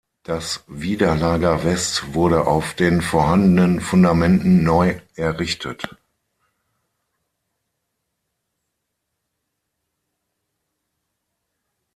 Das Widerlager West wurde auf den vorhandenen Fundamenten neu errichtet.